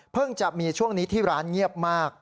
จะมีช่วงนี้ที่ร้านเงียบมาก